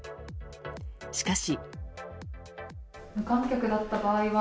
しかし。